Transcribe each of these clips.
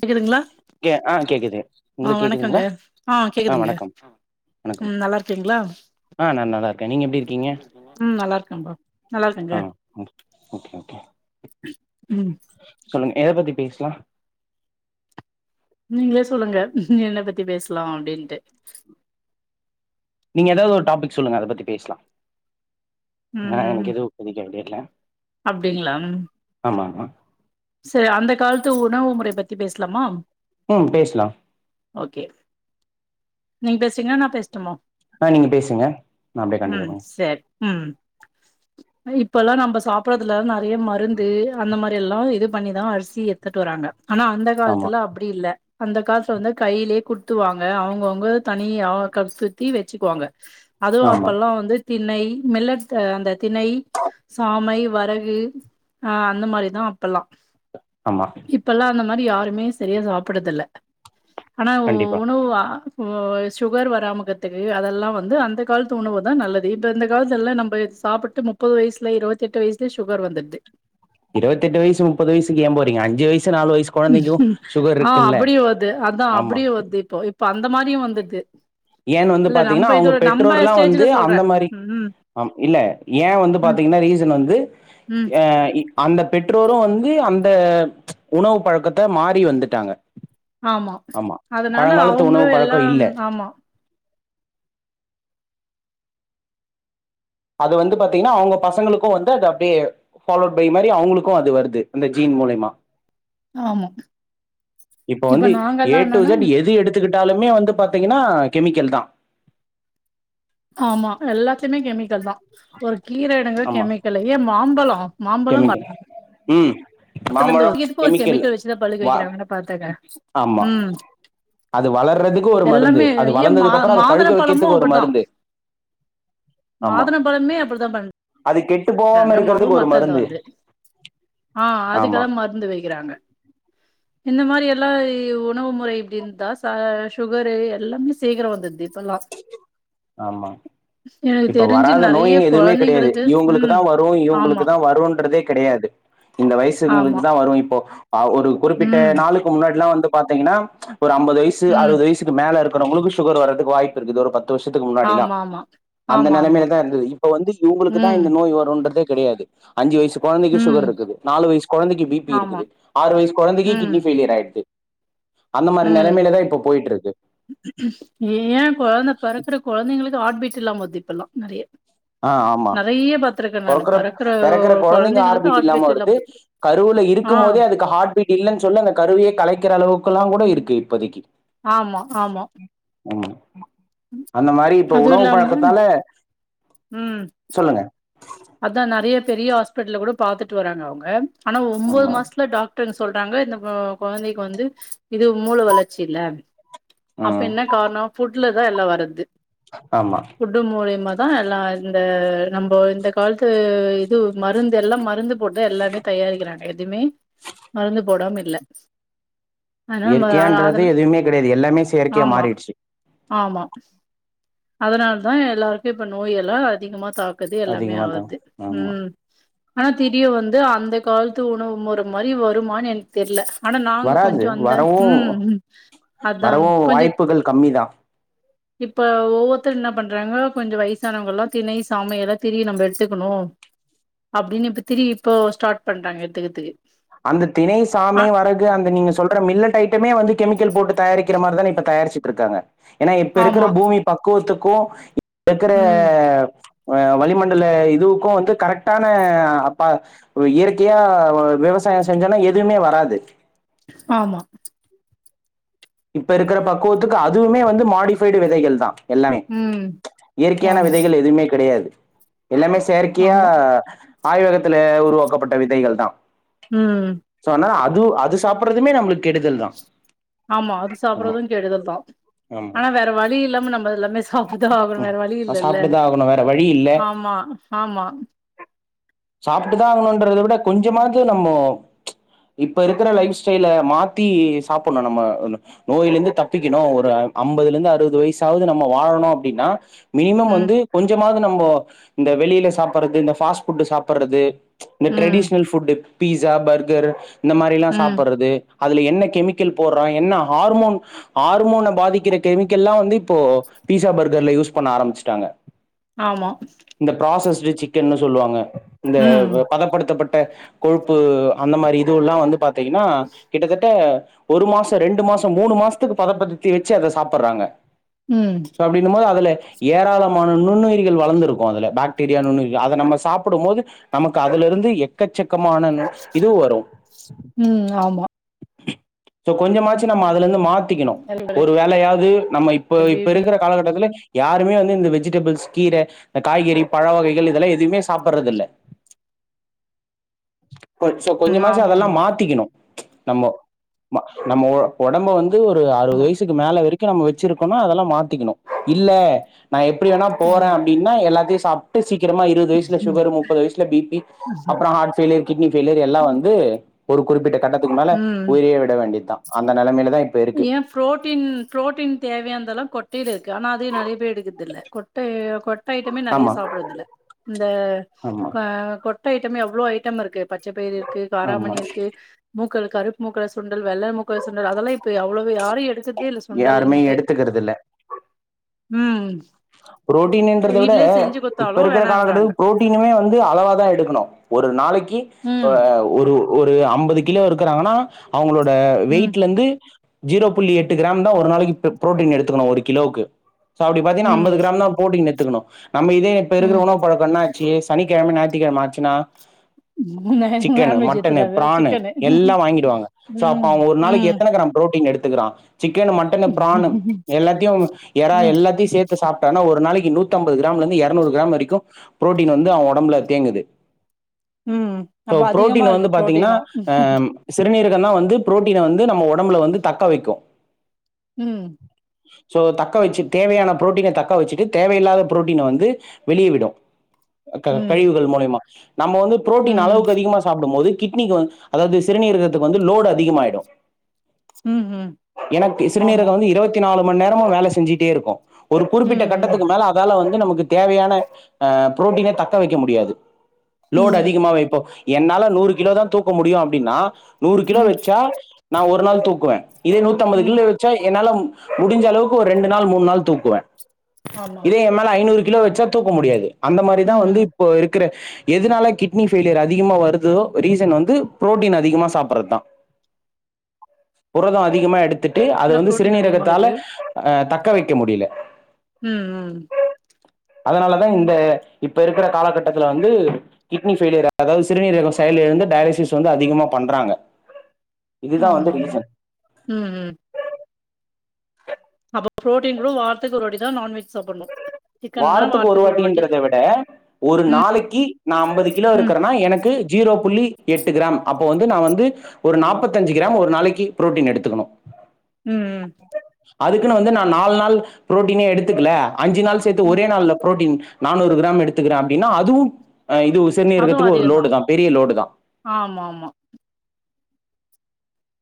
கேக்குதுங்களா கே ஆ கேக்குது ஆஹ் உங்களுக்கு கேக்குதுங்களா வணக்கங்க ஆஹ் ஆ கேக்குதுங்க வணக்கம் வணக்கம் உம் நல்லாருக்கீங்களா ஆ நா நல்லா இருக்கே நீங்க எப்டி இருக்கீங்க உம் நல்லா இருக்கேம்பா நல்லா ஆ இருக்கங்க ஓகே ஓகே ஓகே. ம் சொல்லுங்க ஏத எத பத்தி பேசலா நீங்களே சொல்லுங்க என்ன பத்தி பேசலா அப்டின்ட்டு நீங்க ஏதாவது ஒரு டாபிக் சொல்லுங்க அத பத்தி பேசலா ஆஹ் ம் எனக்கு இது இப்பதிக் ஐடியா கில்ல அப்டிங்களா சரி அந்த காலத்து உணவு முறை பத்தி பேச சலாமா ம் பேஸ்லா நீங்க பேஸ்றீங்ளா நா பேசட்டுமா ஆ நீங்க பேசுங்க நா அப்டியே கண்டின்யூ ம் பண் [unintelligible] சரி ம் இப்பல்லா நம்ப சாப்படுறதுல நெறைய மருந்து அந்த மாரி எல்லா இது பண்ணிதா அரிசி எத்துட்டு வராங்க ஆனா அந்த ஆமா காலத்துல அப்டி இல்ல அந்த காலத்துல வந்து கையிலயே குத்துவாங்க அவுங்கவுங்க தனியா [unintelligible] சுத்தி வச்சுக்குவாங்க அதுவு ஆமா அப்பெல்லா வந்து திணை மில்லட் அந்த திணை சாமை வரகு ஆ அந்த மாரி தா அப்பல்லா ஆமா இப்பெல்லா நம் அந்த மாரி யாருமே சரியா சாப்பற்தில்ல ஆனா கண்டிப்பா உணவா ஒ சுகர் வராமக்கத்துக்கு அதெல்லா வந்து அந்த காலத்து உணவு தா நல்லது இப்போ இந்த காலத்தெல்லா நம்ப சாப்புட்டு முப்பது வயசுல இருவத்தெட்டு வயசுலே சுகர் வந்துட்து இருபத்தெட்டு வயசு முப்பது வயசுக்கு ஏ போறீங்க அஞ்சு வய்ஸ் ஆ அப்டியு வர்து அதா ஆமா அப்டியு வர்து இப்போ இப்ப அந்த மாரியு வந்துர்து ஏன் வந்து பாத்தீங்னா அவுங்க பெற்றோர்லா வந்து ஸ்டேஜ்ல சொல்றே அந்த மாரி ம் ஆ இல்ல ஏ வந்து ம் பாத்தீங்னா ரீசன் வந்து ம் அ அந்த பெற்றோரு வந்து அந்த ச் உணவு பழக்கத்த மாறி வந்துட்டாங்க ஆமா அதனால பழங்காலத்து அவுங்களு உணவு பழக்கோ எல்லா இல்ல ஆமா அது வந்து பாத்தீங்னா அவங்க பசங்களுக்கு வந்து அது அப்டியே ஃபாலோட் பை மாரி அவங்களுக்கு அது வருது அந்த ஜீன் மூலியமா ஆமா இப்ப வந்து எ நாங்கல்லா டு என்னன்னா செட் எது எடுத்துக்கிட் தாலுமே வந்து பாத்தீங்கனா கெமிக்கல் தா ஆமா எல்லாத்லயுமே கெமிக்கல் தா ஒரு கீர எடுங்க ஆமா கெமிக்கலு ஏ மாம் பழோ கெமிக்கல் ம் பத்துல இந்து இதுக்கு ஒரு கெமிக்கல் வச்சுதா பழுக வ வைக்கிறாங்கனா பாத்துக்க ஆமா ம் அது வளர்றதுக்கு ஒரு மருந்து எல்லாமே அது ஏ மா வளர்ந்ததுக்கு அப்புறோ அத மாதள பழுக்க பழமு வைக்கிறதுக்கு ஒரு அப்பட்தா மருந்து ஆமா மாதுள பழமே அப்டித்தா பன் அது கெட்டு போகாம இருக்கறதுக்கு ஒரு தது மருந்து அது ஆ ஆமா அதுக்கெல்லா மருந்து வைக்கிறாங்க இந்த மாரி எல்லா உணவு முறை இப்டி இருந்தா ச சுகரு எல்லாமே சீக்கிரோ வந்துட்து ஆமா எனக்கு இப்ப தெரிஞ்சு வராத நெறைய நோயின் எதுவுமே கெடையாது கொழந்தைங்களுக்கு இவங்களுக் ம் தான் வரும் இவங்களுக்கு ஆமா தான் வரும்ன்றதே கிடையாது இந்த வயசுங்களுக்கு ஆமா தான் வரும் இப்ப போ ஆ ஒரு குறிப்பிட்ட ம் நாளுக்கு முன்னாடி எல்லா வந்து பாத்தீங்கன்னா ச்சு ஒரு அம்பது வயசு ம் அறுபது வயசு மேல இருக்கு அப்புறோ உங்களுக்கு சுகரதுக்கு வாய்ப்பு இருக்குது ஒரு பத்து வருஷத்துக்கு முன்னாடில்லா ஆமா ஆமா அந்த ஆமா ஆமா நிலைமையில தான் இருந்தது இப்ப வந்து இவங்களுக்கு தான் ம் இந்த நோய் வரும்ன்றதே கிடையாது அஞ்சு வயசு குழைக்கு ம் சுகர் இருக்கு நாலு வயசு குழந்தைக்கு பி பி ஆமா இருக்குது ஆறு வயசு குழந்தைக்கு ம் கிட்னி ஃபயிலியர் ஆயிடுது அந்த மாரி ம் நிலைமையிலதான் இப்ப போயிட்டு இருக்கு குழந்த பொறக்கிற குழந்தைக்குக் ஹார்ட் பீட் இல்லாம வருது இப்ப எல்லா நெறைய ஆஹ் ஆமா நெறைய பாத்துருக்கே நானு பொறக்கற பெறக்குற பிறக்கற குழந்தைங்க கொழந்தைங்களுக்கு ஹார்பீட் ஹார்ட் இல்லாம பீட் வருது கருவுல ஆ இருக்கும் போதே அதுக்கு ஹார்ட்பீட் இல் சொல்லி அந்த கருவியை கலைக்கிற அளவுக்கு புக் எல்லா கூட இருக்கு இப்பதைக்கு ஆமா ஆமா உ அந்த மாரி இப்ப அதுவு உணவு இல்லாம பழக்கத்தால ம் சொல்லுங்க அதா நெறைய பெரிய ஹாஸ்பிட்டல கூட பாத்துட்டு வராங்க அவங்க ஆனா ஒம்போது ஆமா மாசத்துல டாக் ட்டுன் சொல்ட்டாங்க இந்த கொழந்தைக்கு வந்து இது மூள வளர்ச்சி இல்ல அப்ப ம் என்ன காரணம் ஃபுட் லதா எல்லா வருது ஆமா ஃபுட்டு மூலியமாதா எல்லா அ நம்போ இந்த காலத்து இது மருந்து எல்லா மருந்து போட்டு எல்லாமே தயாரிக்கிறாங்க எதுவுமே மருந்து போடாம இல்ல அதனால ம அ இயற்கையான்றது அதன் எதுவுமே கெடையாது எல்லாமே செயற்கையா மாறிடுச்சு அதனால தா எல்லாருக்கு இப்ப நோய் எல்லா அதிகமா தாக் கது எல்லா ஒன்னுமே அதிகமா தா ஆவாது ஆமா உம் ஆனா தெரிய வந்து அந்த காலத்து உணவு முற மாரி வருமானு எனக்கு தெர்ல ஆனா நாங்க வராது கொஞ்சோ அந்த வரவு ம் ம் அதா வரவு கொஞ்சோ வாய்ப்புகள் கம்மி தா. இப்ப ஒவ்வொருத்தர் என்ன பண்றாங்க கொஞ்சொ வயசானவங்க எல்லா திணை, சாமை எல்லா திரி நம்ம எடுத்துக்கணு அப்டின்னு இப்ப திரி இப்போ ஸ்டார்ட் பண்றாங்க எத்துக்கதுக்கு. அந்த திணை, சாமை, வரகு அந்த நீங்க சொல்ற மில்லட் ஐட்டமே வந்து கெமிக்கல் போட்டு தயாரிக் கிற மாரிதானே இப்ப தயாருச்சுட்டு இருக்காங்க ஏன்னா இப்ப இருக்குற ஆமா பூமி பக்குவத்து கு இ ப்பக்குற ம் அ வளிமண்டல இ துவுக்கு வந்து கரெக்ட்டான அப்பா இயற்கையா விவசா சாயோ செஞ்சோன்னா எதுமே வராது ஆமா இப்ப இருக்குற பக்குவத்துக்கு அதுவுமே வந்து மாடிஃபைட் விதைகள் தா எல்லாமே ம் இயற்கையான ஆமா விதைகள் எதுமே கெடையாது. எல்லாமே செயற்கையா ஆமா ஆய்வகத்துல உருவாக்கப்பட்ட விதைகள் தா உம் சோ ஆனா அது அது சாப்பட்றதுமே நமளுக்கு கெடுதல் தா ஆமா அது ஆமா சாப்படறது கெடுதல் தா. ஆமா ஆனா வேற வழி இல்லாம நம்ம எல்லாமே சாப்டுதா ஆகணு. ம் வேற வழி இல்லல்ல. சாப்ட்டுதா ஆகணு வேற வழி இல்ல ஆமா ஆமா சாப்ட்டு தா ஆகணுன்றத விட கொஞ்சமாச்சு நம்மோ இப்ப இருக்குற லைஃப் ஸ்டைல மாத்தி சாப்படணு நம்ம நோயில இருந்து தப்பிக்கணு ஒரு அம்பதுல இருந்து அறுவது வயசாவது நம்ம வாழணு அப்டின்னா மினிமம் ம் வந்து கொஞ்சமாவது நம்மோ இப்போ இந்த வெளில சாப்பட்றது இந்த ஃபாஸ்ட்ஃபுட் சாப் பட்றது இந்த ம் ட்ரெடிஷ்னல் ஃபுட் பீஸா பர்கர்ரு பீ இந்த மாரி எல்லா ம் சாப்பட்றது அதுல என்ன கெமிக்கல் போடுறா, என்ன ஹார்மோன் ஹார்மோன பாதிக்கிற கெமிக்கல்லா வந்து இப்போ பீஸா பர்கர்ல யூஸ் பண்ண ஆரம்பிச்சட்டாங்க. ஆமா க்ரில் சிக்கென்னு சொல்லுவாங்க இந்த ம் பதப்படுத்தப்பட் ட்ட கொழுப்பு அந்த மாரி இது எல்லா வந்து பாத் தீங்கன்னா கிட்டதட்ட ஒரு மாசோ ரெண்டு மாசோ மூணு மாசத்துக்கு பதப்பதத்தி வெச்சு அத சாப்புட்றாங்க ம் சோ அப்பிடின்னும் போது அதுல ஏராளமான நுண்ணுயிரிகள் வளர்ந்திருக்கும் அதுல பாக்டீரியா நுண்ணுயிரிகள் அத நம்ம சாப்பிடும் போது நமக்கு அதுல இருந்து எக்கச்சக்கமான இது வரும் உம் ஆமா சோ கொஞ்சமாச்சு நம்ம இருந்து மாத்திக்கணும் ஒரு வேலையாவது நம்ம இப்ப இப்ப பேபி இருக்கிற காலகட்டத்தில் யாருமே வந்து இந்த வெஜிடபிள்ஸ் கீரை இந்த காய்கறி பழ வகைகள் இதெல்லாம் எதுவுமே சாப்படுறது இல்ல சோ ம் கொஞ்சமாச்சி அதெல்லாம் ஆமாமா. மாத்திக்கணும் நம்ம நம்ம ஒடம்ப வந்து ஒரு அறுபது ஆமா, வயசுக்கு மேல வரைக்கு நம்ம வெச்சிருக்கோம்னா அதெல்லாம் மாத்திக்கணும் இல்ல நான் எப்படி வேணா போறேன் ஆமா. அப்படின்னா எல்லாத்தையும் சாப்ட்டு சி சிக்கிரமா இருபது வயசுல சுகர் முப்பது வயசுல பிபி ம், அப்புறம் ஹார்ட் ஃபய்லர் கிட்னி ஃபெயிலியர் எல்லாம் வந்து ஒரு குறிப்பிட்ட கண்ட ம். உயிரிய விட வேண்ட ஏன் புரோட்டீன் புரோட்டீன் தேவயாந்தெல்லாம் கொட்டு திரு ஆனா அதையும் நறைய பேர் எடுக்குறதுல்ல கொட்ட ஐட்டமே நறைய ஆமா சாப்பிடுறதுல இந்த ஆமா க கொட் கொட்ட ஐட்டமே எவ்ளோ ஐட்டம் இருக்கு பச்ச பயர் இருக்கு ஆமா காராமணி இருக்கு மூக்கு [unintelligible] கருப்பு [unintelligible] சு ண்டல் வெள்ள முக்க சுண்டல் அதெல்லா இப்ப எவ்வளவு யாரு எடுத்துக்குறதே இல் யாருமே சுண்டல்ங்களே எடுத்துக்கறது இல்ல ம் புரோட்டீன்றத விட வீட்லயே செஞ்சு இப்ப குடுத்தாலும் இருக்கற வேணான்றாங்க. காலகட்டத்து புரோட்டீனுுமே வந்து அளவா தா எடுக்கணு ஒரு நாளைக் ம், [unintelligible] ஒரு ஒரு அம்பது கிலோ இருக்குறாங்னா அவங்களோட ட ம், வெயிட்லந்து ஜீரோ புள்ளி எட்டு கிராம் தா ஒரு நாளைக்கு புரோட்டீன் எடுத்துக்கணு ஒரு கிலோவுக்கு சோ அப்டி பாத்தீங்னா அம்பது ம், புரோட்டீன் எடுத்துக்கணு நம்ம இதே இப்ப ம். இருக்குற உணவு பழக்கனா இதே சனிக்கெழம ஞாயிறுக்கெழம ஆச்சுன்னா சிக்கனு மட்டனு பிரானு எல்லா வாங்கிடுவாங்க‌ சோ அப்ப ம். அவங்க ஒரு நாளைக்கு ம். எத்தன கிராம் புரோட்டீன் எடுத் [unintelligible] சிக்கனு மட்டனு பிரானு எல்லாத்தையு எறா ம். எல்லாத்தையு சேத் து சாப் டனா ஒரு நாளைக்கு நூத்தம்பது கிராம்லேந்து எரநூறு கிராம் வரைக்கு புரோட்டீன் வந்து அவ ஒடம்புல தேங்குது ம். சோ அப்ப அதிகமா புரோட்டீன் வந்து இருக்கு பாத்தீங்னா பு்ரோட்டீனு. ஆ சிறுநீர் தனா வந்து புரோட்டீன வந்து நம்ம ஒடம்புல வந்து தக்க வைக்கு ம் சோ தக்க வச்சு தேவையான புரோட்டீன தக்க தக்க வச்சுட்டு தேவயில்லாத புரோட்டீன வந்து வெளிய விடு க்க ம். கழிவுகள் மூலியமா நம்ம வந்து ப்ரோட்டீன் ம். அளவுக்கு அதிகமாக சாப்படம்போது கிட்னிக்கு வந் அதாவது சிறுநீரகத்துக்கு வந்து லோடு அதிகமாயிடு ம். ம். எனக்கு ஆமா. சிறுநீரகம் வந்து இருவத்தி நாலு மண் நேரமு வேல செஞ்சிட்டே இருக்கு குறிப்பிட்ட ம். ம். கட்டத்துக்கு மேல அதால வந் நமக்கு தேவையான ஆ புரோட்டீனே தக்க வைக்க முடியாது லோட் ம். அதிகமா வைப்போ என்னால நூறு கிலோ தா தூக்க முடியு அப்டின்னா நூறு கிலோ ம். வச்சா நா ஒரு நாள் தூக்குவே இதே நூத்தம்பது ம். கில்லு வெச்சா என்னாலம் முடிஞ்ச அளவுக்கு ஒரு ரெண்டு நாள் மூணு நாள் தூக்குவே ஆமா. இதே எம்மேல ஐநூறு கிலோ வச்சா தூக்க முடியாது அந்த மாரிதா வந்து ம்ஹ்ம். இப்போ இருக் க்குற எதுனால கிட்னி ஃபெய்லியர் அதிகமா வருதோ ரீசன் வந்து ப்ரோட்டீன் அதிகமா சாப்புர்ரதா புரதம் அதிகமா எடுத் துட்டு அது என்ன வந்து பு்ரோட்டீன் அதிகமா சிறுநீரகத்தால வருது. அ தக் க்க வைக்க முடில ம் ம் அதனாலதா இந்த இப்ப இருக்குற காலகட்டத்துல வந்து கிட்னி ஃபெய்லியர் அதாவு சிறுநீரகொ செயல் இழந்து டயலிசிஸ் வந்து அதிகமா பண்றாங்க இதுதா வந்து ஆமாமா ரீசன் ம் ம் அபோ ப்ரோட்டின் ரூ வார்த்துக்கு ஒரு வாட்டி தா நான்வெஜ் சாப்புட்ணு வாரத்துக்கு ஒரு வாட்டின்றத விட ஒரு ம். நாளைக்கி நா அம்பது கிலோ ம். இருக்கறனா எனக்கு ஜீரோ புள்ளி எட்டு கிராம் அப் பொவந்து நா வந்து ஒரு நாப்பத்தஞ்சு கிராம் ஒரு நாளைக்கு ப்ரோட்டீன் எடுத்துக்கணு உம் உம் அதுக்குனு வந்து நா நால் நாள் ப்ரோட்டீனே எடுத்துக்கல அஞ்சு நாள் சேத்து ம். ஒரே நாள்ல ப்ரோட்டீன் நானூறு கிராம் எடுத்துக்றே அப்டின்னா அதுவு அஹ் இது உ அதுவும் சிறுநீர்கத்துக்கு ஒரு லோடு அதிகம்தான். தா பெரிய லோடு தா ஆமா ஆமா.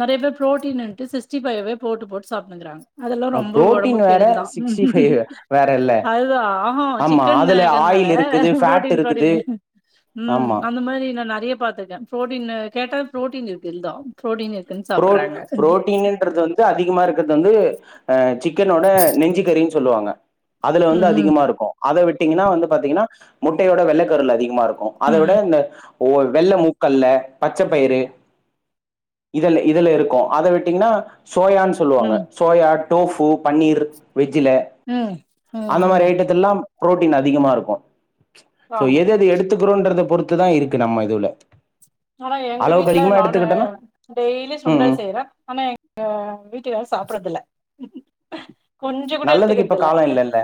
நெறைய பேர் ப்ரோட்டீனுன்டு சிஸ்டி பையவே போட்டு போட்டு சாப்ட்ணுருக்காங்க அதெல்லா ரொம்ப புரோட்டீன் ஒடம்புக் வேற கேடுல் தா சிக்ஸ்டி ஃபைவ் வேற இல்ல அதுதா ஆஹோ ஆமா சிக்கன் அதுல இருக்கநாள ஆயில் இருக்குது ஃபேட் ப்ரோட்டீன் இருக்குது பரோட்டீனு ம் ஆமா அந்த மாரி நா நெறைய பாத்துர்க்கே ப்ரோட்டீன் கேட்டா ப்ரோட்டீன் இருக்கு இந்தா ப்ரோட்டீனிர் ப்ரோட் ப்ரோட்டீனுன்றது வந்து அதிகமா இருக்கற்து து வந்து சிக் க்கனோட நெஞ்சிக்கறின் சொல்லுவாங்க அதுல வந்து ம் அதிகமாருக்கு அத விட்டிங்கனா வந்து பாத்திங்கனா முட்டையோட வெள்ளக்கருல அதிகமாருக் கு அத விட இந்த ஓ வெள்ள மு கல்ல பச்ச பயிறு இதல இதுல இருக்கு அத விட்டிங்னா சோயான் சொல்லுவாங்க ம் சோயாட் டோஃபு பன்னிர் வெஜ்ஜுல ம் ம் அந்த மாரி ம் ஐட்டத்துல்லாம் பு்ரோட்டீன் அதிகமா இருக்கு சோ ஆமா எத எத எடுத்துக்கிறோன்றத பொறுத்து த்துதா இருக்கு நம்ம இதுவுல ஆனா எங்க வீட்டுல நானு டெய்லி ம் சுண்டல் ம் செய்யரே ஆனா எங்க வீட்டுகாரறு சாப்படுறதுல ஆ கொஞ்ஜோ கூட நல்லதுக்கு இப்ப எடுத்துக்கிறதுல காலம் இல்லல்ல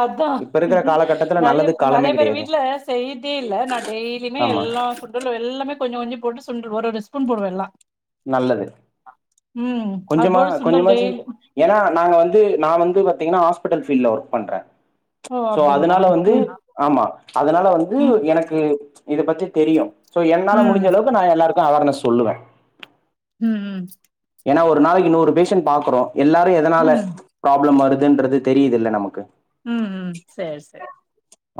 அதா இப்ப இருக்கிற காலகட்டத்துல நறைய நல்லதுக்கு காலமே நறைய பேர் கிடையாது வீட்டுல செய்யதே இல்ல நா டெய்லியுமே ஆமா எல்லா பூட் எல்லாமே கொஞ்சோ கொஞ்சோ போட்டு சுண்டடு ஒரு ஒரு ஸ்பூன் போடுவே எல்லா நல்லது அது கொஞ்சமா போட்டு சுண்டல் கொஞ்சமாச்சி டெய்லி ஏன்னா நாங்க வந்து நா வந்து பாத்தீங்கன்னா ஹாஸ் பிடல் ஃபீல்டல ஒர்க் பண்றே ஓ! சோ அப்டிங்களா? அதனால வந்து ஆமா அதனால வந்து ம், எனக்கு இத பத்தி தெரியு சோ ம், என்னால ம், முடிஞ்சளவுக்கு நா எல்லாருக் அவர்நஸ் சொல்லுவ ம் உம் ஏன்னா ஒரு நாளக்கு நூறு பேசண்ட் பாக்குறோ எல்லாரு எதனால ம், ப்ராப்ளம் வருது ன்றது தெரியுதில்ல நமக்கு உம் உம் செரி செரி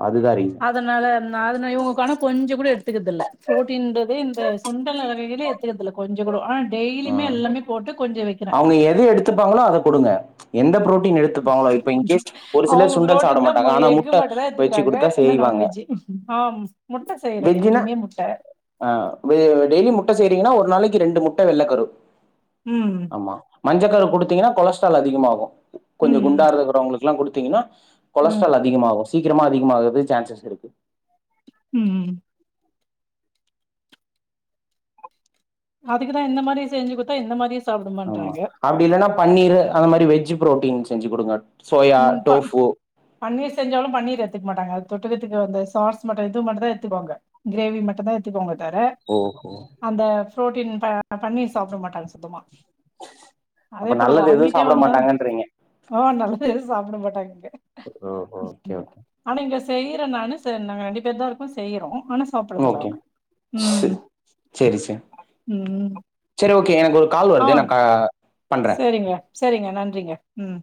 அதுதான் ரீசன் அதனால நா அதன இவங்க காணோ கொஞ்சு கூட எடுத்து எத்துக்குர்தில்ல புரோட்டின்றதே இந்த சுண்டல் வகைகலே எத்துக்கறதில்ல கொஞ்சு கூட ஆனா டெய்லியுமே உம் எல்லாமே போட்டு கொஞ்சம் வைக்கிறேன். அவங்க எத எடுத்துப்பாங்களோ அத குடுங்க எந்த ப்ரோட் அவங்க சுண்டல் சாப்பிட புரோடின் தா மாட்டாங்க ஆனா எக்கு முட்டை மட்டுந்தா வச்சு எட்த்துக்கிறாங்க கொடுத்தா இல்ல நான் செய்வாங்க வெஜ்ஜு ஆ முட்ட செய்ற வெஜ்ஜுனா டெய்லியுமே முட்ட ட்ட செய்றிங்கனா ஒரு நாளைக்கு ரெண்டு முட் ட்டு வெல்லக்கரு ம் ஆமா மஞ்சக்கரு கொடுத்தீங்கன்னா கொலஸ்ட்ரால் அதிகமாகு கொஞ்சு குண்டா ம் ருக்கற வங்களுக் எல்லா கொடுத்தீங்ன்னா ம் கொலஸ்டரல் அதிகமாகு சீக்கிரமா அதிகமாகது சான்சஸ் இருக்கு உம் உம் உம் அதுக்குதா இந்த மாரி செஞ்சு குத்தா இந்த மாரி ஆமா அப்டி இல்லன்னா பன்னீரு அந்த மாரி வெஜ்ஜு புரோட்டீன் செஞ்சு குடுங்க சோயா உம் ப டோஃபு பன்னீர் செஞ்சாலளும் பன்னீர் எடுத்துக்க மாட்டாங்க அது தொ ட்க்கறதுக்கு அந்த சாஸ் மட்டு இது மட்டு தா எத்துகுவாங்க கிரேவி மட்டுந்தா எத்துகுவாங்க எடுத்துட்போவாங்க தர ஓஹோ அந்த புரோட்டின் த பன்னீர் சாப்ட மாட்டாங்க சுத்தமா அதே அப்ப போல நல்லது எதுவு வாங்கிட்டே சாப்ட வந்தாலு மாட்டாங்கன்றீங்க ஆ நல்லா தே சாப்புட மாட்டாங்க இங்க ஓஹோ ஓகே ஓகே செய்ற நானு ச நாங்க ரெண்டு பேர்தா இருக்கோ செய்றோ ஆனா சாப்பற்றதில்ல ஓகே அவுங்க உம் செரி செரி உம் செரி ஓகே எனக்கு ஒரு கால் வருது நா கா பண்ற சேரிங்க சேரிங்க நன் றிங்க உம்